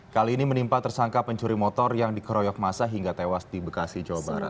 kali ini menimpa tersangka pencuri motor yang dikeroyok masa hingga tewas di bekasi jawa barat